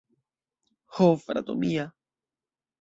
Ho, frato mia!